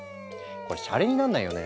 これシャレになんないよね。